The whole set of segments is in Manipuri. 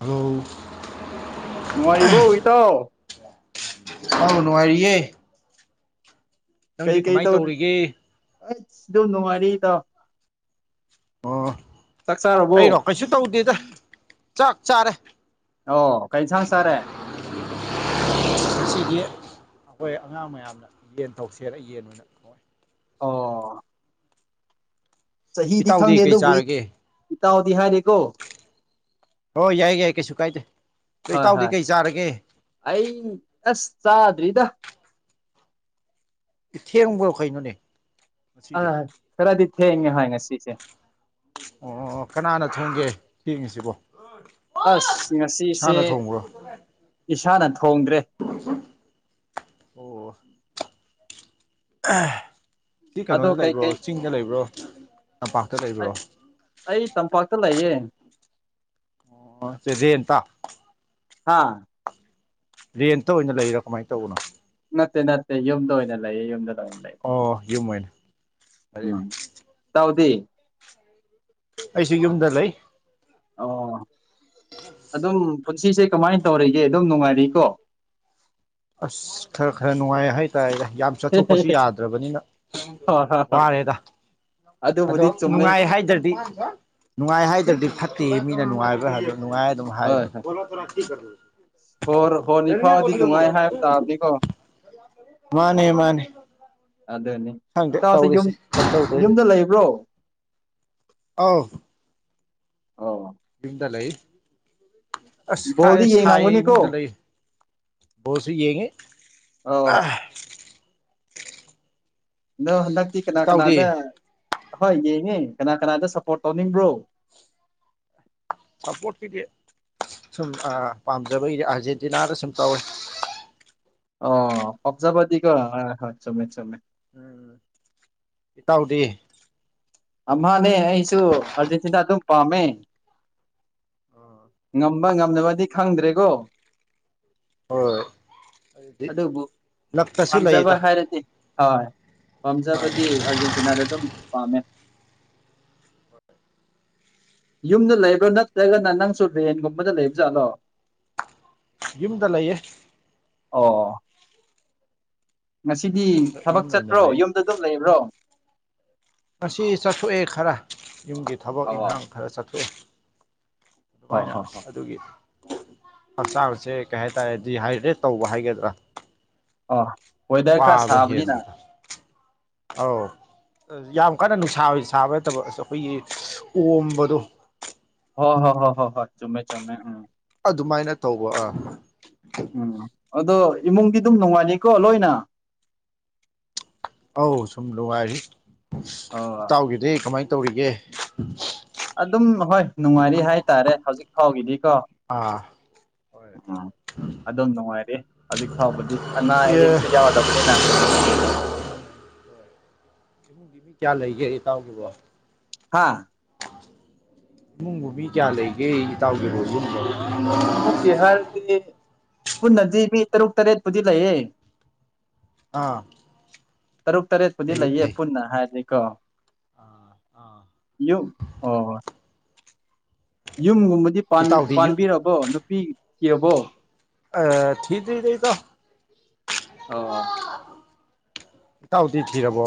ꯍꯂꯣ ꯅꯨꯡꯉꯥꯏꯔꯤꯕ‌ꯣ ꯏꯇꯥꯎ ꯑꯧ ꯅꯨꯡꯉꯥꯏꯔꯤꯌꯦ ꯅꯪꯗꯤ ꯀꯩꯀꯩ ꯀꯃꯥꯏ ꯇꯧꯔꯤ ꯇꯧꯔꯤꯒꯦ [inaudible] ꯑꯖ ꯗꯨꯝ ꯅꯨꯡꯉꯥꯏꯔꯤꯌ‌ꯦ ꯏꯇꯥꯑꯣ ꯫ ꯑ‌ꯣ ꯑꯩꯔꯣ ꯀꯩꯁꯨ ꯇꯧꯗꯦꯗ, ꯆꯥꯛ ꯆꯥꯔꯦ ꯫ ꯑꯣ ꯀꯩ ꯏꯟꯁꯥꯡ ꯆꯥꯔꯦ? ꯉꯁꯤꯗꯤ ꯑꯈꯣꯏ ꯑꯉꯥꯡ ꯃꯌꯥꯝꯅ ꯌꯦꯟ ꯇꯧꯁꯦꯅ ꯌꯦꯟ ꯑ‌ꯣꯏꯅ ꯑꯣ ꯆꯍꯤꯗꯤ ꯈꯪꯗꯦ ꯏꯇꯥꯎꯗꯤ ꯀꯩ ꯑꯗꯨꯕꯨ ꯏ ꯆꯥꯔꯒꯦ ꯏꯇꯥꯎꯗꯤ ꯍꯥꯏꯔꯦꯀꯣ ꯫ ꯍꯣꯏ ꯌꯥꯏ ꯌꯥꯏ ꯀꯩꯁꯨ ꯀꯥꯏꯗꯦ ꯗ‍ꯣ ꯍꯣꯏ ꯏꯇꯥꯎꯗꯤ ꯍꯣꯏ ꯀꯩ ꯆꯥꯔꯒꯦ? ꯑꯩ ꯑꯁ ꯆꯥꯗ꯭ꯔꯤꯗ ꯫ ꯊꯦꯡꯕ꯭ꯔ‌ꯣ ꯀꯩꯅꯣꯅꯦ? ꯉꯁꯤꯗꯤ ꯑꯥ ꯈꯔꯗꯤ ꯊ‌ꯦꯡꯉ‌ꯦ ꯍ‌ꯣꯏ ꯉꯁꯤꯁꯦ ꯫ ꯑꯣ ꯀꯅꯥꯅ ꯊꯣꯡꯒꯦ ꯊꯦꯡꯉꯤꯁꯤꯕꯣ? ꯑꯁ ꯉꯁꯤꯁꯦ ꯏꯁꯥꯅ ꯊꯣꯡꯕ꯭ꯔꯣ ꯏꯁꯥꯅ ꯊꯣꯡꯗ꯭ꯔꯦ ꯫ ꯑꯣ ꯁꯤ ꯑꯗꯣ ꯀꯩꯅꯣꯗ ꯂꯩꯕ꯭ꯔꯣ, ꯀꯩꯀꯩ ꯆꯤꯡꯗ ꯂꯩꯕ꯭ꯔꯣ, ꯇꯝꯄꯥꯛꯇ ꯂꯩꯕ꯭ꯔꯣ? ꯑꯩ ꯑꯩ ꯇꯝꯄꯥꯛꯇ ꯂꯩꯌꯦ ꯫ ꯑꯣ ꯔꯦꯟꯠꯇꯥ ꯍꯥꯥ ꯔꯦꯟꯇ ꯑꯣꯏꯅ ꯂꯩꯔꯥ ꯀꯃꯥꯏꯅ ꯇꯧꯕꯅꯣ? ꯅꯠꯇꯦ ꯅꯠꯇꯦ ꯌꯨꯝꯗ ꯑꯣꯏꯅ ꯂꯩꯌꯦ ꯌꯨꯝꯗꯗ ꯑꯣꯏꯅ ꯂꯩꯌꯦ ꯫ ꯑꯣ ꯌꯨꯝ ꯑ‌ꯣꯏꯅꯥ ꯎꯝ ꯏꯇꯥꯎꯗꯤ [inaudible] ꯑꯩꯁꯨ ꯌꯨꯝꯗ ꯂꯩ ꯫ ꯑꯣ ꯑ [unintelligible] ꯑꯗꯨꯝ ꯄꯨꯟꯁꯤꯁꯦ ꯀꯃꯥꯏꯅ ꯇꯧꯔꯤꯒꯦ ꯑꯗꯨꯝ ꯅꯨꯡꯉꯥꯏꯔꯏꯀꯣ ꯑꯁ ꯈꯔ ꯈꯔ ꯅꯨꯡꯃ ꯍꯥꯏ ꯇꯥꯏ ꯌꯥ ꯆꯠꯊꯣꯛꯄꯁꯨ ꯌꯥꯗ꯭ꯔꯕꯅꯤꯅ ꯍꯣꯏ ꯍꯣꯏ ꯍꯣꯏ ꯋꯥꯔꯦꯗ ꯑꯗꯣ ꯑꯗꯨꯕꯨꯗꯤ ꯆꯨꯝꯃꯤ ꯅꯨꯡꯉꯥꯏ ꯍꯥꯏꯗ꯭ꯔꯗꯤ ꯅꯨꯡꯉꯥꯏ ꯍꯥꯏꯗ꯭ꯔꯗꯤ ꯐꯠꯇꯦ ꯌ‌ꯦ ꯃꯤꯅ ꯅꯨꯡꯉꯥꯏꯕ꯭ꯔꯥ ꯍꯥꯏꯕꯗ ꯅꯨꯡꯉꯥꯏ ꯍꯣꯏ ꯍꯣꯏ ꯍꯥꯏꯣꯂꯣ ꯊꯂꯣꯌꯥ ꯀꯣ [unintelligible] ꯇꯕꯗꯤꯀꯣ ꯃꯥꯅꯦ ꯃꯥꯅꯦ ꯈꯪꯗꯦ ꯏꯇꯧꯁꯦ ꯌꯨꯝ ꯇꯧꯔꯤꯁꯦ ꯀꯝꯗꯧꯗꯣꯏꯅꯣ ꯌꯨꯝꯗ ꯂꯩꯕ꯭ꯔꯣ ꯑꯥꯎ ꯑꯣ ꯌꯨꯝꯗ ꯂꯩ ꯑꯁ ꯕꯣꯜꯗꯤ ꯁꯥꯏꯌꯦ ꯁꯥꯏꯌꯦ ꯌꯦꯡꯉꯝꯒꯅꯤꯀꯣ ꯏꯃꯨꯡꯗ ꯂꯩꯌꯦ ꯕꯣꯜꯁꯨ ꯌꯦꯡꯉꯤ ꯑꯧ ꯑꯥ ꯑꯗꯣ ꯍꯟꯗꯛꯇꯤ ꯀꯅꯥ ꯏꯇꯥꯎꯗꯤ ꯀꯅꯥꯗ ꯑꯍꯣꯏ ꯌꯦꯡꯉꯤ ꯀꯅꯥ ꯀꯅꯥꯗ ꯁꯞꯄꯣꯔꯠ ꯇꯧꯅꯤꯡꯕ꯭ꯔꯣ ꯁꯥꯄꯣꯔꯠꯀꯤꯗꯤ ꯁꯨꯝ ꯑꯥ ꯄꯥꯝꯖꯕꯒꯤꯗꯤ ꯑꯥꯔꯖꯦꯟꯇꯤꯅꯥꯗ ꯁꯨꯝ ꯇꯧꯋꯦ ꯑꯣ ꯄꯥꯝꯖꯥꯕꯗꯤꯀ‌ꯣ ꯍꯣꯏ ꯍꯣꯏ ꯆꯨꯝꯃꯦ ꯆꯨꯝꯃꯦ ꯎꯝ ꯏꯇꯥꯎꯗꯤ ꯑꯝꯍꯥꯅꯦ ꯑꯩꯁꯨ ꯑꯥꯔꯖꯦꯟꯇꯤꯅꯥ ꯑꯗꯨꯝ ꯄꯥꯝꯃꯦ ꯉꯝꯕ ꯉꯝꯗꯕꯗꯤ ꯈꯪꯗ꯭ꯔꯦꯀꯣ ꯍꯣꯏ ꯑꯗꯨꯗꯤ ꯑꯗꯨꯕꯨ ꯂꯛꯇꯁꯨ ꯄꯥꯝꯖꯕ ꯂꯩꯗ ꯍꯥꯏꯔꯗꯤ ꯍꯣꯏ ꯄꯥꯝꯖꯕꯗꯤ ꯑꯥꯔꯖꯦꯟꯇꯤꯅꯥꯗ ꯑꯗꯨꯝ ꯄꯥꯝꯃꯦ ꯌꯨꯝꯗ ꯂꯩꯕ꯭ꯔꯥ ꯅꯠꯇ꯭ꯔꯒꯅ ꯅꯪꯁꯨ ꯔ‌ꯦꯟꯒꯨꯝꯕꯗ ꯂꯩꯕ ꯖꯥꯠꯂꯣ ꯌꯨꯝꯗ ꯂꯩꯌꯦ ꯑꯣ ꯉꯁꯤꯗꯤ ꯌꯨꯝꯗ ꯊꯕꯛ ꯌꯨꯝꯗ ꯑꯣꯏꯅ ꯆꯠꯄꯔꯣ ꯂꯩ ꯌꯨꯝꯗ ꯑꯗꯨꯝ ꯂꯩꯕ꯭ꯔꯣ ꯉꯁꯤ ꯆꯠꯊꯣꯛꯑꯦ ꯈꯔ ꯌꯨꯝꯒꯤ ꯊꯕꯛ ꯑꯣ ꯏꯪꯈꯥꯡ ꯈꯔ ꯆꯠꯊꯣꯛꯑꯦ ꯍꯣ ꯑꯗꯨꯃꯥꯏꯅ ꯍꯣ ꯍꯣ ꯑꯁ ꯑꯗꯨꯒꯤ ꯍꯛꯆꯥꯡꯁꯦ ꯀꯩ ꯍꯥꯏꯇꯥꯔꯦ ꯗꯤꯍꯥꯏꯗ꯭ꯔꯦꯠ ꯇꯧꯕ ꯍꯥꯏꯒꯗ꯭ꯔꯥ ꯑꯣ ꯋꯦꯗꯔ ꯈꯔ ꯋꯥꯕ ꯁꯥꯕꯅꯤꯅ ꯍꯦꯟꯕꯗꯣ ꯑꯧ ꯌꯥꯝ ꯀꯟꯅ ꯅꯨꯡꯁꯥ ꯁꯥꯕ ꯅꯠꯇꯕ ꯑꯁ ꯑꯩꯈꯣꯏꯒꯤ ꯑꯣꯝꯕꯗꯣ ꯍꯣ ꯍꯣ ꯍꯣ ꯍꯣ ꯍꯣ ꯆꯨꯝꯃꯦ ꯆꯨꯝꯃꯦ ꯎꯝ ꯑꯗꯨꯃꯥꯏꯅ ꯇꯧꯕ ꯑꯥ ꯎꯝ ꯑꯗꯣ ꯏꯃꯨꯡꯗꯤ ꯑꯗꯨꯝ ꯅꯨꯡꯉꯥꯏꯔꯤꯀꯣ ꯂꯣꯏꯅ ꯑꯧ ꯁꯨꯝ ꯅꯨꯡꯉꯥꯏꯔꯤ ꯑꯣ ꯏꯇꯥꯎꯒꯤꯗꯤ ꯀꯃꯥꯏꯅ ꯇꯧꯔꯤꯒꯦ ꯑꯗꯨꯝ ꯍꯣꯏ ꯅꯨꯡꯉꯥꯏꯔꯤ ꯍꯥꯏꯇꯥꯔꯦ ꯍꯧꯖꯤꯛ ꯐꯥꯎꯒꯤꯗꯤꯀꯣ ꯑꯥ ꯍꯣꯏ ꯎꯝ ꯑꯗꯨꯝ ꯅꯨꯡꯉꯥꯏꯔꯤ ꯍꯧꯖꯤꯛ ꯐꯥꯎꯕꯗꯤ ꯑꯅꯥ ꯑꯦ ꯑꯌꯦꯛꯁꯨ ꯌꯥꯎꯗꯕꯅꯤꯅ ꯏꯃꯨꯡꯒꯤ ꯃꯤ ꯀꯌꯥ ꯂꯩꯒꯦ ꯏꯇꯥꯎꯒꯤꯕꯣ ꯍꯥꯥ ꯏꯃꯨꯡꯕꯨ ꯃꯤ ꯀꯌꯥ ꯂꯩꯒꯦ ꯏꯇꯥꯎꯒꯤꯕꯣ [unintelligible] ꯍꯥꯏꯕꯗꯤ ꯄꯨꯟꯅꯗꯤ ꯃꯤ ꯇꯔꯨꯛ ꯇꯔꯦꯠꯄꯨꯗꯤ ꯂꯩꯌꯦ ꯑꯥ ꯇꯔꯨꯛ ꯇꯔꯦꯠꯄꯨꯗꯤ ꯐꯩꯌꯦ ꯂꯩꯌꯦ ꯐꯩ ꯄꯨꯟꯅ ꯍꯥꯏꯔꯗꯤꯀꯣ ꯑꯥ ꯑꯥ ꯌꯨꯝ ꯑꯣ ꯌꯨꯝꯒꯨꯝꯕꯗꯤ ꯄꯥꯟ ꯏꯇꯥꯎꯗꯤ ꯌꯨꯝ ꯄꯥꯟꯕꯤꯔꯕꯣ ꯅꯨꯄꯤ ꯊꯤꯔꯕꯣ ꯑ ꯊꯗꯔ꯭ꯤꯗ ꯑꯣ ꯏꯇꯥꯎ ꯏꯇꯥꯎꯗꯤ ꯊꯤꯔꯕꯣ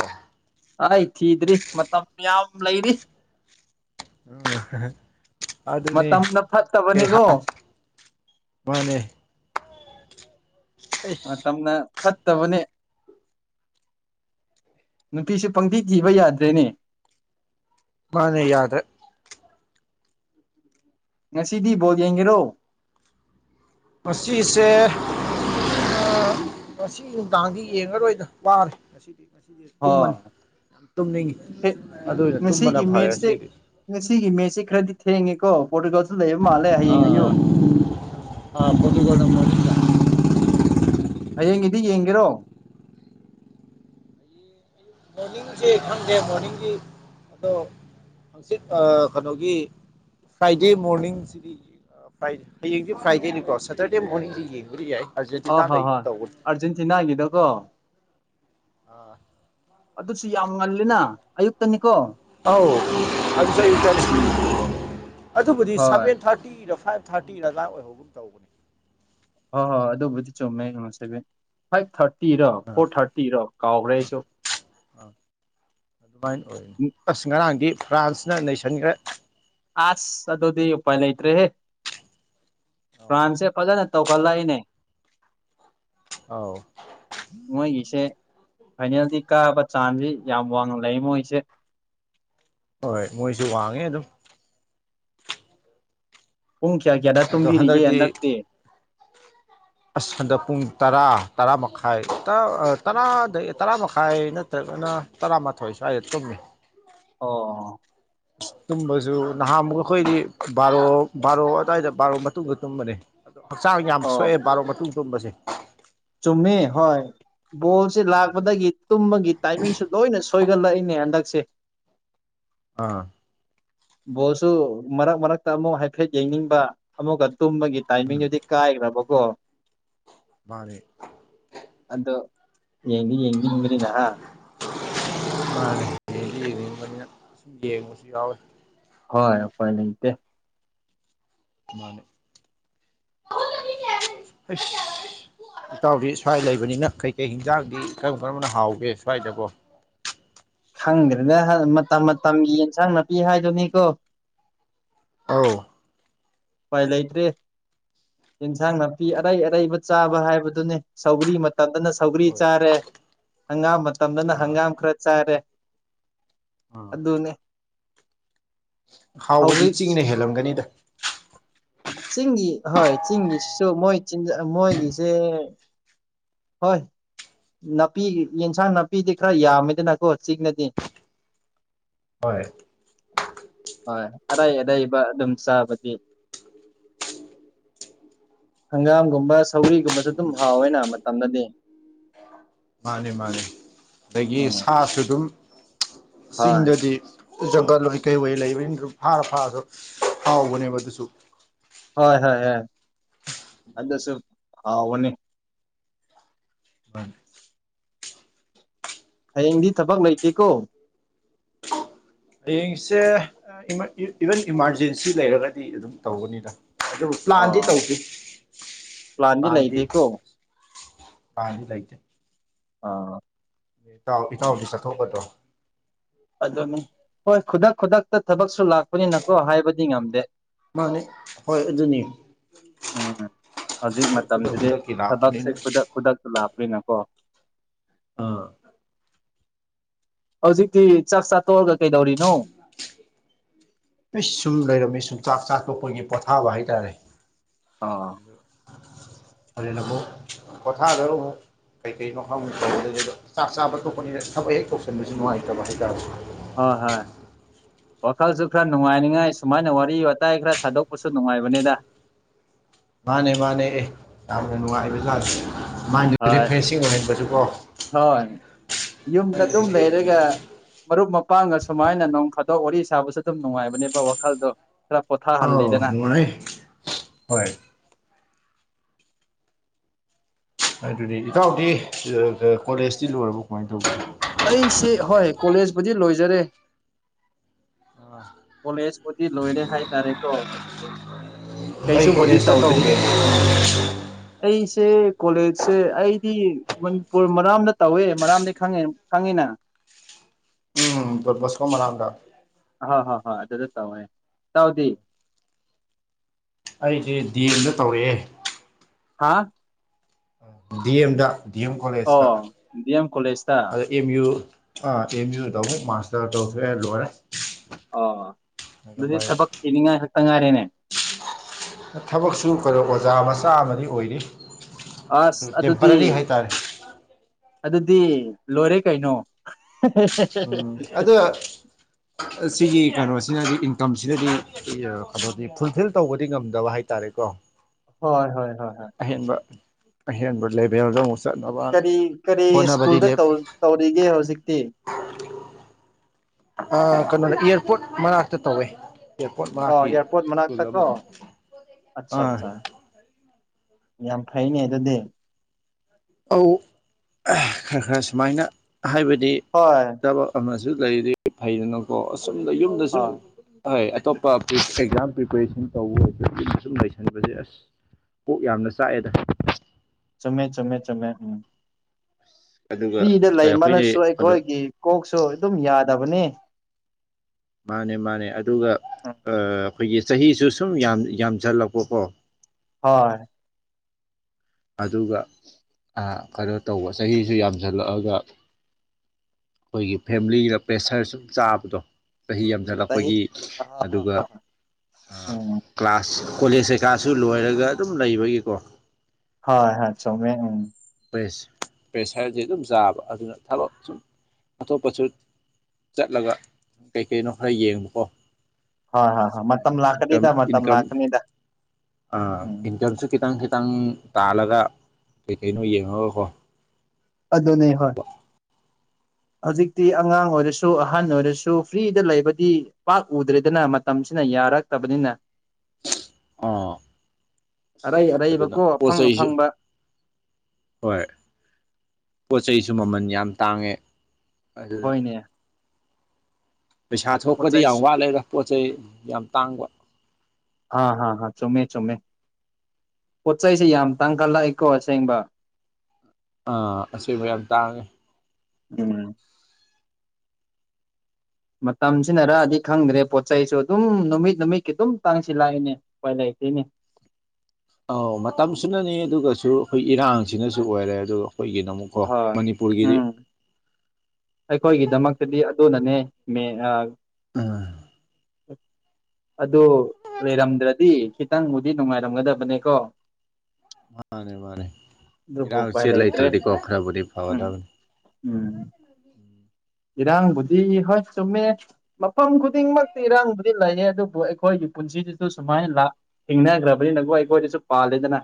ꯑꯩ ꯊꯤꯗ꯭ꯔꯤ ꯃꯇꯝ ꯌꯥꯝ ꯂꯩꯔꯤ ꯎꯝ ꯑꯗꯨꯅꯤ ꯃꯇꯝꯅ ꯀꯩ ꯐꯠꯇꯕꯅꯤꯀꯣ [unintelligible] ꯃꯥꯅꯦ ꯑꯩꯁ ꯃꯥꯇꯝꯅ ꯐꯠꯇꯕꯅꯦ ꯅꯨꯄꯤꯁꯦ ꯄꯪꯊꯤ ꯊꯤꯕ ꯌꯥꯗ꯭ꯔꯦꯅꯦ ꯃꯥꯅꯦ ꯌꯥꯗ꯭ꯔꯦ ꯉꯁꯤꯗꯤꯕꯣꯜ ꯌꯦꯡꯒꯦꯔꯣ ꯉꯁꯤꯁꯦ ꯑꯥ ꯉꯁꯤ ꯅꯨꯡꯗꯥꯡꯗꯤ ꯌꯦꯡꯉꯔꯣꯏꯗ ꯋꯥꯔꯦ ꯉꯁꯤꯗꯤ ꯉꯁꯤꯗꯤ ꯇꯨꯝꯃꯅꯤ ꯍꯣꯏ ꯌꯥꯝ ꯇꯨꯝꯅꯤꯡꯉꯤ ꯑꯗꯨꯅ ꯇꯨꯝꯕꯅ ꯉꯁꯤꯒꯤ ꯐꯔꯦ ꯃꯦꯠꯁꯁꯦ ꯉꯁꯤꯗꯤ ꯉꯁꯤꯒꯤ ꯃꯦꯠꯁ‌ꯦ ꯈꯔꯗꯤ ꯊꯦꯡꯉꯦꯀꯣ ꯄꯣꯔꯇꯨꯒꯥꯜꯁꯨ ꯂꯩꯕ ꯃꯥꯜꯂꯦ ꯍꯌꯦꯡ ꯑꯌꯨꯛ ꯑꯥ ꯄꯣꯔꯇꯨꯒꯥꯜꯁꯨ ꯅꯪ ꯃ‌ꯣꯔꯅꯤꯡꯗ ꯍꯌꯦꯡꯒꯤꯗꯤ ꯌꯦꯡꯒꯦꯔꯣ ꯃꯣꯔꯅꯤꯡꯁꯦꯈꯅꯦ ꯃꯣꯔꯅꯤꯡꯡꯒꯤ ꯑꯣ ꯍꯪꯆꯤꯠ ꯀꯩꯅꯣꯒꯤ ꯐ꯭ꯔꯥꯏꯗꯦ ꯃꯣꯔꯅꯤꯡꯁꯤꯗꯤ ꯐ꯭ꯔꯥꯏꯗꯦ ꯍꯌꯦꯡꯗꯤ ꯐ꯭ꯔꯥꯏꯗꯦꯅꯤꯀꯣ ꯁꯇꯔꯗꯦ ꯃꯣꯔꯅꯤꯡꯗꯤ ꯌꯦꯡꯕꯗꯤ ꯌꯥꯏ ꯑ ꯑꯥꯔꯖꯦꯟꯇꯤꯅꯥ ꯍꯣꯏ ꯂꯩꯒꯨꯝ ꯍꯣꯏ ꯇꯧꯕꯅꯤ ꯑꯥꯔꯖꯦꯟꯇꯤꯅꯥꯒꯤꯗꯀꯣ ꯑꯥ ꯑꯗꯨꯁꯨ ꯌꯥꯝ ꯉꯜꯂꯤꯦꯅ ꯑꯌꯨꯛꯇꯅꯤꯀꯣ ꯑꯧ ꯑꯗꯨ ꯎꯝ ꯑꯗꯨꯕꯨꯗꯤ ꯍꯣꯏ ꯁꯚꯦꯟ ꯊꯥꯔꯇꯤꯗ ꯐꯥꯏꯚ ꯊꯥꯔꯇꯤ ꯔꯗꯥ ꯑꯣꯏꯍꯧꯕꯅ ꯇꯧꯕꯅꯤ ꯍꯣꯏ ꯍꯣꯏ ꯑꯗꯨꯕꯨꯗꯤ ꯆꯨꯝꯃꯦꯉꯣ ꯁꯦꯚꯦꯟ ꯐꯥꯏꯚ ꯊꯥꯔꯇꯤꯔꯣ ꯐꯣꯔ ꯊꯥꯔꯇꯤꯔꯣ ꯀꯥꯎꯈ꯭ꯔꯦ ꯑꯩꯁꯨ ꯑ ꯑꯗꯨꯃꯥꯏꯅ ꯑꯣꯏꯅꯤ ꯎꯝ ꯑꯁ ꯉꯔꯥꯡꯗꯤ ꯐ꯭ꯔꯥꯟꯁꯅ ꯂꯩꯁꯟꯈ꯭ꯔꯦ ꯑꯁ ꯑꯗꯨꯗꯤ ꯎꯄꯥꯏ ꯂꯩꯇ꯭ꯔꯦꯍꯦ ꯑꯧ ꯐ꯭ꯔꯥꯟꯁꯦ ꯐꯖꯅ ꯇꯧꯒꯠꯂꯛꯏꯅꯦ ꯑꯥꯎ ꯃꯣꯏꯒꯤꯁꯦ ꯐꯥꯏꯅꯦꯜꯗꯤ ꯀꯥꯕ ꯆꯥꯟꯁꯤ ꯌꯥꯝ ꯋꯥꯡꯅ ꯂꯩ ꯃꯣꯏꯁꯦ ꯍꯣꯏ ꯃꯣꯏꯁꯨ ꯋꯥꯡꯉꯦ ꯑꯗꯨꯝ ꯄꯨꯡ ꯀꯌꯥ ꯀꯌꯥꯗ ꯑꯗꯣ ꯇꯨꯝꯕꯤꯔꯤꯒꯦ ꯍꯟꯗꯛꯇꯤ ꯅꯛꯇꯦ ꯑꯁ ꯍꯟꯗꯛ ꯄꯨꯡ ꯇꯔꯥ ꯇꯔꯥ ꯃꯈꯥꯏ ꯇꯔꯥ ꯇꯔꯥ ꯃꯈꯥꯏ ꯇ ꯂꯣꯏꯅ ꯇꯔꯥꯃꯥꯊꯣꯏ ꯁ꯭ꯋꯥꯏꯗ ꯇꯨꯝꯃꯤ ꯑꯣ ꯇꯨꯝꯕꯁꯨ ꯅꯍꯥꯟꯃꯨꯛ ꯑꯩꯈꯣꯏꯗꯤ ꯕꯥꯔꯣ ꯕꯥꯔꯣ ꯑꯗꯨꯋꯥꯏꯗ ꯕꯥꯔꯣ ꯃꯇꯨꯡꯗ ꯇꯨꯝꯕꯅꯤ ꯑꯗꯣ ꯍꯛꯆꯥꯡ ꯌꯥꯝ ꯁꯣꯛꯑꯦ ꯕꯥꯔꯣ ꯃꯇꯨꯡ ꯇꯨꯝꯕꯁꯦ ꯆꯨꯝꯃꯤ ꯍꯣꯏ ꯕꯣꯜꯁꯤꯦ ꯂꯥꯛꯄꯗꯒꯤ ꯇꯨꯝꯕꯒꯤ ꯇꯥꯏꯃꯤꯡꯁꯨ ꯂꯣꯏꯅ ꯁꯣꯏꯒꯠꯂꯛꯏꯅꯦ ꯍꯟꯗꯛꯁꯦ ꯑꯥ ꯕꯣꯜꯁꯨ ꯃꯔꯛ ꯃꯔꯛꯇ ꯑꯃꯨꯛ ꯍꯥꯏꯐꯦꯠ ꯌꯦꯡꯅꯤꯡꯕ ꯑꯃꯨꯛꯀ ꯇꯨꯝꯕꯒꯤ ꯇꯥꯏꯃꯤꯡ ꯎꯝ ꯑꯗꯨꯗꯤ ꯀꯥꯏꯈ꯭ꯔꯕꯀꯣ ꯃꯥꯔꯦ ꯑꯗꯣ ꯌꯦꯡꯗꯤ ꯌꯦꯡꯅꯤꯡꯕꯅꯤꯅꯍ ꯌꯦꯡꯅꯤꯅ ꯁꯨꯝ ꯌꯦꯡꯉꯁꯨ ꯌꯥꯎꯋꯦ ꯍꯣꯏ ꯑꯩꯈꯣꯏ ꯂꯩꯇꯦ ꯃꯥꯅꯦ [inaudible] ꯑꯩꯁ ꯏꯇꯥꯎꯗꯤ ꯁ꯭ꯋꯥꯏ ꯂꯩꯕꯅꯤꯅ ꯀꯩꯀꯩ ꯍꯤꯟꯖꯥꯡꯗꯤ ꯀꯔꯝ ꯀꯔꯝꯕꯅ ꯍꯥꯎꯒꯦ ꯁ꯭ꯋꯥꯏꯗꯀꯣ ꯈꯪꯗ꯭ꯔꯦꯗ ꯃꯇꯝ ꯃꯇꯝꯒꯤ ꯌꯦꯟꯁꯥꯡ ꯅꯥꯄꯤ ꯍꯥꯏꯗꯨꯅꯤꯀꯣ ꯑꯥꯎ ꯎꯄꯥꯏ ꯂꯩꯇ꯭ꯔꯦ ꯏꯟꯁꯥꯡ ꯅꯥꯄꯤ ꯃꯥꯅꯦ ꯑꯔꯩ ꯑꯔꯩꯕ ꯆꯥꯕ ꯍꯥꯏꯕꯗꯨꯅꯦ ꯁꯧꯒ꯭ꯔꯤ ꯃꯇꯝꯗꯅ ꯊꯧꯒꯔꯤ ꯍꯣꯏ ꯆꯥꯔꯦ ꯍꯪꯒꯥꯝ ꯃꯇꯝꯗꯅ ꯑꯥ ꯍꯪꯒꯥꯝ ꯈꯔ ꯆꯥꯔꯦ ꯑ ꯑꯗꯨ ꯑꯗꯨꯅꯦ ꯍꯥꯎꯕꯗꯤ ꯍꯧꯒ꯭ꯔꯤ ꯆꯤꯡꯅ ꯍꯦꯜꯂꯝꯒꯅꯤꯗ ꯆꯤꯡꯒꯤ ꯍꯣꯏ ꯆꯤꯡꯒꯤꯁꯤꯁꯨ ꯃꯣꯏ ꯆ ꯃꯣꯏꯒꯤꯁꯦ ꯍꯣꯏ ꯅꯥꯄꯤ ꯌꯦꯟꯁꯥꯡ ꯅꯥꯄꯤꯗꯤ ꯈꯔ ꯌꯥꯝꯃꯤꯗꯅꯀꯣ ꯆꯤꯡꯅꯗꯤ ꯍꯣꯏ ꯍꯣꯏ ꯑꯔꯩ ꯑꯔꯩꯕ ꯑꯗꯨꯝ ꯆꯥꯕꯗꯤ ꯍꯪꯒꯥꯝꯒꯨꯝꯕ ꯁꯧꯔꯤꯒꯨꯝꯕꯁꯨ ꯑꯗꯨꯝ ꯍꯥꯎꯋꯦꯅ ꯃꯇꯝꯅꯗꯤ ꯃꯥꯅꯤ ꯃꯥꯅꯤ ꯑꯗꯒꯤ ꯎꯝ ꯁꯥꯁꯨ ꯑꯗꯨꯝ ꯍꯣꯏ ꯆꯤꯡꯗꯗꯤ ꯖꯪꯒꯜ ꯑꯣꯏ ꯀꯩ ꯋꯥꯩ ꯂꯩꯕꯅꯤ ꯐꯥꯔ ꯐꯥꯔꯁꯨ ꯍꯥꯎꯕꯅꯦꯕ ꯑꯗꯨꯁꯨ ꯍꯣꯏ ꯍꯣꯏ ꯍꯣꯏ ꯑꯗꯨꯁꯨ ꯍꯥꯎꯕꯅꯤ ꯃꯥꯅꯦ ꯍꯌꯦꯡꯗꯤ ꯊꯕꯛ ꯂꯩꯇꯦꯀꯣ ꯍꯌꯦꯡꯁꯦ ꯏꯚꯟ ꯏꯃꯥꯔꯖꯦꯟꯁꯤ ꯂꯩꯔꯒꯗꯤ ꯑꯗꯨꯝ ꯇꯧꯧꯕꯅꯤꯗ ꯑꯗꯨꯕꯨ ꯄ꯭ꯂꯥꯟꯗꯤ ꯑꯥ ꯇꯧꯗꯦ ꯄ꯭ꯂꯥꯟꯗꯤ ꯄ꯭ꯂꯥꯟꯗꯤ ꯂꯩꯇꯦ ꯑ ꯏꯇꯥꯎ ꯏꯇꯥꯎꯗꯤ ꯆꯠꯊꯣꯛꯒꯗ꯭ꯔꯣ ꯑꯗꯨꯅꯤ ꯍꯣꯏ ꯈꯨꯗꯛ ꯈꯨꯗꯛꯇ ꯊꯕꯛꯁꯨ ꯂꯥꯛꯄꯅꯤꯅꯀꯣ ꯍꯥꯏꯕꯗꯤ ꯉꯝꯗꯦ ꯃꯥꯅꯦ ꯍꯣꯏ ꯑꯗꯨꯅꯤ ꯎꯝ ꯍꯧꯖꯤꯛ ꯈꯨꯗꯛ ꯃꯇꯝꯁꯤꯗꯤ ꯈꯨꯗꯛꯀꯤ ꯊꯕꯛꯁꯦ ꯂꯥꯛꯄꯅꯤꯅ ꯈꯨꯗꯛ ꯈꯨꯗꯛꯇ ꯂꯥꯛꯄꯅꯤꯅꯀꯣ ꯑꯥ ꯍꯧꯖꯤꯛꯇꯤ ꯆꯥꯛ ꯆꯥ ꯇꯣꯛꯑꯒ ꯀꯩꯗꯧꯔꯤꯅꯣ ꯄꯤꯁ ꯁꯨꯝ ꯂꯩꯔꯝꯃꯤ ꯁꯨꯝ ꯆꯥꯛ ꯆꯥꯛꯄ ꯄꯈꯣꯏꯒꯤ ꯄꯣꯊꯥꯕ ꯍꯥꯏꯇꯥꯔꯦ ꯑꯥ ꯍꯔꯅꯕꯨꯣ ꯀꯊꯗꯔꯣ ꯍ [unintelligible] ꯀꯩꯀꯩ ꯃꯐꯝ ꯈꯗ ꯆꯥꯛ ꯆꯥꯕ ꯇꯄꯅꯤꯅ ꯊꯕꯛ ꯍꯦꯛ ꯇꯧꯁꯟꯕꯁꯨ ꯅꯨꯡꯉꯥꯏꯇꯕ ꯍꯥꯏꯇꯥꯔꯦ ꯍꯣꯏ ꯍꯣꯏ ꯋꯥꯈꯜꯁꯨ ꯈꯔ ꯅꯨꯡꯉꯥꯏꯅꯤꯉꯥꯏ ꯁꯨꯃꯥꯏꯅ ꯋꯥꯔꯤ ꯋꯥꯇꯥꯏ ꯈꯔ ꯁꯥꯗꯣꯛꯄꯁꯨ ꯅꯨꯡꯉꯥꯏꯕꯅꯤꯗ ꯃꯥꯅꯦ ꯃꯥꯅꯦ ꯑꯦ ꯌꯥꯝꯅ ꯅꯨꯡꯉꯥꯏꯕꯖꯥꯠꯗꯦ ꯃꯥꯏꯟꯗ ꯍꯣꯏ ꯔꯤꯐ꯭ꯔꯦꯁꯤꯡ ꯑꯣꯏꯍꯟꯕꯗꯨꯀꯣ ꯍꯣꯏ ꯌꯨꯝꯗ ꯑꯗꯨꯝ ꯂꯩꯔꯒ ꯃꯔꯨꯞ ꯃꯄꯥꯡꯒ ꯁꯨꯃꯥꯏꯅ ꯅꯣꯡ ꯐꯥꯗꯣꯛ ꯋꯥꯔꯤ ꯁꯥꯕꯁꯨ ꯑꯗꯨꯝ ꯅꯨꯡꯉꯥꯏꯕꯅꯦꯕ ꯋꯥꯈꯜꯗꯣ ꯈꯔ ꯑꯥꯎ ꯄꯣꯊꯥꯍꯜꯂꯦꯗꯅ ꯅꯨꯡꯉ ꯅꯅꯦ [unintelligible] ꯍꯣꯏ ꯑꯗꯨ ꯑꯗꯨꯗꯤ ꯏꯇꯥꯎꯗꯤ ꯀꯣꯂꯦꯖꯇꯤ ꯂꯣꯏꯔꯕ ꯀꯃꯥꯏꯅ ꯇꯧꯕꯅꯣ ꯑꯩꯁꯦ ꯍꯣꯏ ꯀꯣꯂꯦꯖꯄꯨꯗꯤ ꯂꯣꯏꯖꯔꯦ ꯑ [unintelligible] ꯀꯣꯂꯦꯖꯄꯨꯗꯤꯤ ꯂꯣꯏꯔꯦ ꯍꯥꯏꯇꯥꯔꯦꯀꯣ ꯑꯗꯨꯕꯨ ꯑꯩ ꯀꯣꯂꯦꯖꯇ ꯇꯧꯒꯦ ꯑꯩꯁꯦ ꯀꯣꯂꯦꯖꯁꯦ ꯑꯩꯗꯤ ꯃꯅꯤꯄꯨꯔ ꯃꯔꯥꯝꯗ ꯇꯧꯋꯦ ꯃꯔꯥꯝꯗꯒꯤꯩ ꯈꯪꯉꯦ ꯐꯉꯤꯅ ꯎꯝ ꯗꯣꯟ ꯕꯣꯁꯀꯣ ꯃꯅꯥꯛꯇꯥ ꯍ ꯍ ꯍ ꯑꯗꯨꯗ ꯇꯧꯋꯦ ꯇꯥꯎꯗꯤ ꯑꯩꯗꯤ ꯗꯤ ꯑꯦꯝꯗ ꯇꯧꯔꯛꯑꯦ ꯍꯥꯥ ꯗꯤ ꯑꯦꯝꯗ ꯗꯤ ꯑꯦꯝ ꯑꯣ ꯀꯣꯂꯦꯖꯇ ꯗꯤ ꯑꯦꯝ ꯀꯣꯂꯦꯖꯇ [unintelligible] ꯑꯦꯝ ꯌꯨ ꯑꯥ ꯑꯦꯝ ꯌꯨ ꯇꯧ ꯃꯥꯁꯇꯔ ꯇꯧꯁꯨꯑꯦ ꯂꯣꯏꯔꯦ [unintelligible] ꯑꯣ ꯑꯗꯨꯗꯤ ꯑꯗꯨꯃꯥꯏꯅ ꯊꯕꯛ ꯊꯤꯅꯤꯡꯉꯥꯏ ꯈꯛꯇ ꯉꯥꯏꯔꯦꯅꯦ [inaudible] ꯊꯕꯛꯁꯨ ꯀꯩꯅꯣ ꯑꯣꯖꯥ ꯃꯆꯥ ꯑꯃꯗꯤ ꯑꯣꯏꯔꯤ ꯑꯁ ꯑꯗꯨꯗꯤ ꯇꯦꯝꯄꯔꯔꯤ ꯍꯥꯏꯇꯥꯔꯦ ꯑꯗꯨꯗꯤ ꯂꯣꯏꯔꯦ ꯀꯩꯅꯣ ꯎꯝ ꯑꯗꯣ ꯁꯤꯒꯤ ꯀꯩꯅꯣꯁꯤꯅꯗꯤ ꯏꯟꯀꯝꯁꯤꯅꯗꯤ ꯀꯩꯅꯣꯗꯤ ꯐꯨꯜꯐꯤꯜ ꯇꯧꯕꯗꯤ ꯉꯝꯗꯕ ꯍꯥꯏ ꯍꯥꯏꯇꯥꯔꯦꯀꯣ ꯍꯣꯏ ꯍꯣꯏ ꯍꯣꯏ ꯑꯗꯨꯅ ꯍꯣꯏ ꯑꯍꯦꯟꯕ ꯑꯍꯦꯟꯕ ꯂꯦꯚꯦꯜꯗꯨ ꯀꯔꯤ ꯀꯔꯤ ꯁ꯭ꯀꯨꯜꯗ ꯇꯧꯔꯤꯒꯦ ꯍꯧꯖꯤꯛꯇꯤ ꯑ ꯀꯩꯅꯣꯅ ꯏꯌꯥꯔꯄꯣꯔꯠ ꯃꯅꯥꯛꯇ ꯇꯧꯋꯦ ꯑꯦꯔꯄꯣꯠ ꯑꯣ ꯃꯛꯀꯤ ꯑꯦꯌꯥꯔꯄꯣꯔꯠ ꯁ꯭ꯀꯨꯜ ꯃꯅꯥꯛꯇ ꯀꯣ ꯑꯃꯗ ꯑꯠꯆꯥ ꯑꯥ ꯑꯠꯆꯥ ꯌꯥꯝ ꯐꯩꯅꯦ ꯑꯗꯨꯗꯤ ꯑꯧ ꯈꯔ ꯈꯔ ꯁꯨꯃꯥꯏꯅ ꯍꯥꯏꯕꯗꯤ ꯍꯣꯏ ꯊꯕꯛ ꯑꯃꯁꯨ ꯂꯩꯔꯗꯤ ꯐꯩꯗꯅꯀꯣ ꯑꯁꯨꯝꯗ ꯌꯨꯝꯗ ꯁꯨꯝ ꯍꯣꯏ ꯍꯣꯏ ꯑꯇꯣꯞꯄ ꯑꯦꯛꯖꯥꯝ ꯄ꯭ꯔꯤꯄꯦꯔꯦꯁꯟ ꯇꯧꯕ ꯑꯣꯏꯕ ꯑꯗꯨ ꯁꯨꯝ ꯂꯩꯁꯟꯕꯁꯦ ꯑꯁ ꯀꯣꯛ ꯌꯥꯝꯅ ꯆꯥꯛꯑꯦꯗ ꯆꯨꯝꯃꯦ ꯆꯨꯝꯃꯦ ꯆꯨꯝꯃꯦ ꯎꯝ ꯑꯗꯨꯒ ꯐ꯭ꯔꯤꯗ ꯂꯩ ꯑꯩꯈꯣꯏꯅ ꯃꯜꯂꯁꯨ ꯀꯩꯅꯣ ꯑꯩꯈꯣꯏꯒꯤ ꯀꯣꯛꯁꯨ ꯑꯗꯨꯝ ꯌꯥꯗꯕꯅꯦ ꯃꯥꯅꯦ ꯃꯥꯅꯦ ꯑꯗꯨꯒ ꯑ ꯎꯝ ꯑꯩꯈꯣꯏꯒꯤ ꯆꯍꯤꯁꯨ ꯁꯨꯝ ꯌꯥꯝ ꯌꯥꯝꯖꯜꯂꯛꯄꯀꯣ ꯍꯣꯏ ꯑꯗꯨꯒ ꯑ ꯀꯩꯅꯣ ꯇꯧꯕ ꯆꯍꯤꯁꯨ ꯌꯥꯝꯖꯜꯂꯛꯑꯒ ꯑꯩꯈꯣꯏꯒꯤ ꯐꯦꯃꯤꯂꯤꯒ ꯄ꯭ꯔꯦꯁꯔ ꯁꯨꯝ ꯆꯥꯕꯗꯣ ꯆꯍꯤ ꯌꯥꯝ ꯆꯍꯤ ꯂꯛꯄꯒꯤ ꯑ ꯍꯣꯏ ꯍꯣꯏ ꯑꯗꯨꯒ ꯍꯣꯏ ꯑ ꯍꯣꯏ ꯎꯝ ꯀ꯭ꯂꯥꯁ ꯀꯣꯂꯦꯖ ꯀꯩꯀꯥꯁꯨ ꯂꯣꯏꯔꯒ ꯑꯗꯨꯝ ꯂꯩꯕꯒꯤꯀꯣ ꯍꯣꯏ ꯍ ꯆꯨꯝꯃꯦ ꯄꯦꯁ ꯄ꯭ꯔꯦꯁꯔꯖ ꯑꯗꯨꯝ ꯆꯥꯕ ꯑꯗꯨꯅ ꯊꯕꯛ ꯁꯨꯝ ꯑꯇꯣꯞꯄꯁꯨ ꯆꯠꯂꯒ ꯀꯩ ꯀꯩꯅꯣ ꯈꯔ ꯌꯦꯡꯕꯀꯣ ꯍꯣꯏ ꯍꯣꯏ ꯍꯣꯏ ꯃꯇꯝ ꯏꯟꯀꯝ ꯂꯥꯛꯀꯅꯤꯗ ꯃꯇꯝ ꯏꯟꯀꯝ ꯂꯥꯛꯀꯅꯤꯗ ꯑ ꯎꯝ ꯏꯟꯀꯝꯁꯨ ꯈꯤꯇꯪ ꯈꯤꯇꯪ ꯇꯥꯜꯂꯒ ꯀꯩ ꯀꯩꯅꯣ ꯌꯦꯡꯉꯒꯀꯣ ꯑꯗꯨꯅꯦ ꯍꯣꯏ ꯇꯧꯕ ꯍꯧꯖꯤꯛꯇꯤ ꯑꯉꯥꯡ ꯑꯣꯏꯔꯁꯨ ꯑꯍꯟ ꯑꯣꯏꯔꯁꯨ ꯐ꯭ꯔꯤꯗ ꯂꯩꯕꯗꯤ ꯄꯥꯛ ꯎꯗ꯭ꯔꯦꯗꯅ ꯃꯇꯝꯁꯤꯅ ꯌꯥꯔꯛꯇꯕꯅꯤꯅ ꯑꯥ ꯑꯔꯩ ꯑꯗꯨꯅ ꯑꯔꯩꯕꯀꯣ ꯄꯣꯠ ꯑꯐꯪ ꯆꯩꯁꯨ ꯑꯐꯪꯕ ꯍꯣꯏ ꯄꯣꯠ ꯆꯩꯩꯁꯨ ꯃꯃꯜ ꯌꯥꯝ ꯇꯥꯡꯉꯦ ꯑꯗꯨꯅ ꯍꯣꯏꯅꯦ ꯄꯩꯁꯥ ꯄꯣꯠ ꯊꯣꯛꯄꯗꯤ ꯌꯥꯝ ꯆꯩꯁꯨ ꯋꯥꯠꯂꯩꯗ ꯄꯣꯠ ꯆꯩ ꯌꯥꯝ ꯇꯥꯡꯕ ꯍꯥꯥ ꯍꯥ ꯍꯥ ꯆꯨꯝꯃꯦ ꯆꯨꯝꯃꯦ ꯄꯣꯠ ꯆꯩꯁꯦ ꯌꯥꯝ ꯇꯥꯡꯈꯠꯂꯛꯏꯀꯣ ꯑꯁꯦꯡꯕ ꯑꯥ ꯑꯁꯦꯡꯕ ꯌꯥꯝ ꯇꯥꯡꯉꯦ ꯎꯝ ꯃꯇꯝꯁꯤꯅꯔꯑꯗꯤ ꯈꯪꯗ꯭ꯔꯦ ꯄꯣꯠ ꯆꯩꯁꯨ ꯑꯗꯨꯝ ꯅꯨꯃꯤꯠ ꯅꯨꯃꯤꯠꯀꯤ ꯑꯗꯨꯝ ꯇꯥꯡꯁꯤꯜꯂꯥꯛꯏꯅꯦ ꯎꯄꯥꯏ ꯂꯩꯇꯦꯅꯦ ꯑꯧ ꯃꯇꯝꯁꯨꯅꯅꯤ ꯑꯗꯨꯒꯁꯨ ꯑꯩꯈꯣꯏ ꯏꯔꯥꯡꯁꯤꯅꯁꯨ ꯑꯣꯏꯔꯦ ꯑꯗꯨꯒ ꯑꯩꯈꯣꯏꯒꯤꯅ ꯑꯃꯨꯛ ꯀꯣ ꯍꯣꯏ ꯃꯅꯤꯄꯨꯔꯒꯤꯗꯤ ꯎꯝ ꯑꯩꯈꯣꯏꯒꯤꯗꯃꯛꯇꯗꯤ ꯑꯗꯨꯅꯅꯦ ꯎꯝ ꯎ [unintelligible] ꯑꯗꯨ ꯂꯩꯔꯝꯗ꯭ꯔꯗꯤ ꯈꯤꯇꯪꯕꯨꯗꯤ ꯅꯨꯡꯉꯥꯏꯔꯝꯒꯗꯕꯅꯦꯀꯣ ꯃꯥꯅꯦ ꯃꯥꯅꯦ ꯑꯗꯨꯕꯨ ꯏꯔꯥꯡ ꯎꯄꯥꯏ ꯁꯦ ꯂꯩꯇ꯭ꯔꯦ ꯂꯩꯇ꯭ꯔꯗꯤꯀꯣ ꯈꯔꯕꯨꯗꯤ ꯎꯝ ꯐꯥꯒꯗꯕꯅꯤ ꯎꯝ ꯎꯝ [unintelligible] ꯏꯔꯥꯡ ꯕꯨꯗꯤ ꯍꯣꯏ ꯆꯨꯝꯃꯦ ꯃꯐꯝ ꯈꯨꯗꯤꯡꯃꯛꯇꯤ ꯏꯔꯥꯡꯕꯨꯗꯤ ꯂꯩꯌꯦ ꯑꯗꯨꯕꯨ ꯑꯩꯈꯣꯏꯒꯤ ꯄꯨꯟꯁꯤꯁꯤꯁꯨ ꯁꯨꯃꯥꯏꯅ ꯂꯥꯛ ꯊꯤꯡꯅꯈ꯭ꯔꯕꯅꯤ ꯅꯈꯣꯏ ꯑꯩꯈꯣꯏꯗꯁꯨ ꯄꯥꯜꯂꯦꯗꯅ